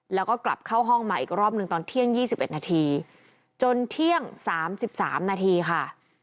แล้วก็กลับเข้าห้องมาอีกรอบหนึ่งตอนเที่ยงยี่สิบเอ็ดนาทีจนเที่ยงสามสิบสามนาทีค่ะ